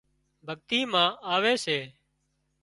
ڀڳتي مان آوي سي